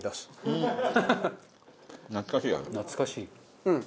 懐かしい味。